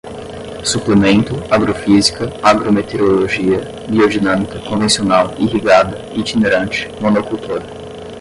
suplemento, agrofísica, agrometeorologia, biodinâmica, convencional, irrigada, itinerante, monocultora